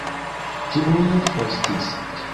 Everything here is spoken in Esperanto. Ĉiuj frostis.